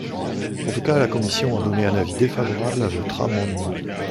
En tout cas, la commission a donné un avis défavorable à votre amendement.